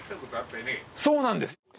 そうなんです。